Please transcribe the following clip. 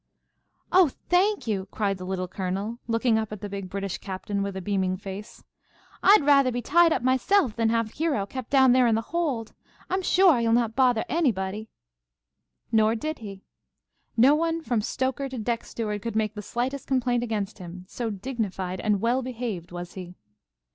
"Oh, thank you!" cried the Little Colonel, looking up at the big British captain with a beaming face. "I'd rathah be tied up myself than to have Hero kept down there in the hold. I'm suah he'll not bothah anybody." Nor did he. No one from stoker to deck steward could make the slightest complaint against him, so dignified and well behaved was he.